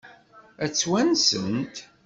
Ad t-wansent?